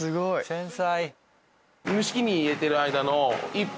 繊細！